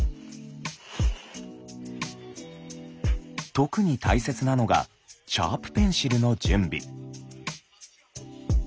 特に大切なのがシャープペンシルの準備。